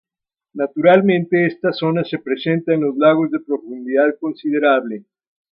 Naturalmente esta zona se presenta en los lagos de profundidad considerable.